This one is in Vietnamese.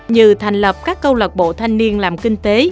như thành lập các câu lạc bộ thanh niên làm kinh tế